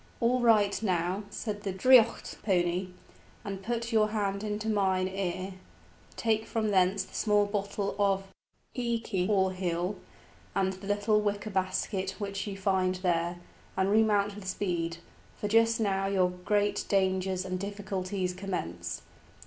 "Alight now," said the draoidheacht pony, "and put your hand into mine ear; take from thence the small bottle of íce (all heal) and the little wicker basket which you will find there, and remount with speed, for just now your great dangers and difficulties commence."